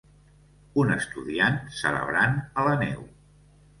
Un estudiant celebrant a la neu.